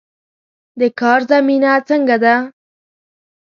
د کار زمینه څنګه ده؟